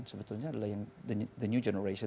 sebetulnya adalah yang the new generation